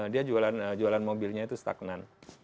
dia jualan mobilnya itu stagnan